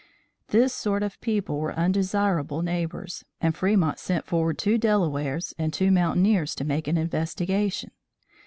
This sort of people were undesirable neighbors, and Fremont sent forward two Delawares and two mountaineers to make an investigation.